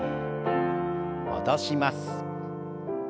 戻します。